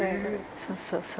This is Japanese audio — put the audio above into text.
そうそうそう。